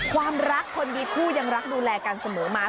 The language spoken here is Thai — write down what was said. ความรักคนมีคู่ยังรักดูแลกันเสมอมา